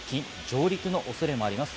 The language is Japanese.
上陸の恐れもあります。